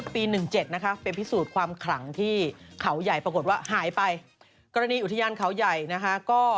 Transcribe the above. ไม่ได้ตามข่าวนี้เลยอาหารเดี๋ยวกลับมาครับ